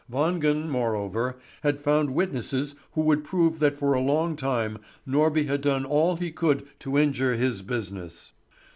Wangen, moreover, had found witnesses who would prove that for a long time Norby had done all he could to injure his business.